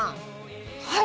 はい！